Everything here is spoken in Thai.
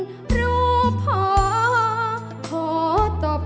เพลงที่สองเพลงมาครับ